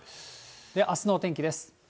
あすのお天気です。